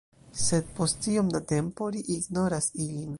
Sed post iom da tempo, ri ignoras ilin.